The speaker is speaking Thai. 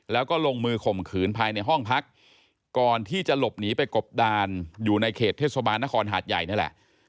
แล้วก็ลงมือข่มขืนภายในห้องพักก่อนที่จะหลบหนีไปกบดานอยู่ในเขตเทศบาลนครหาดใหญ่นี่แหละ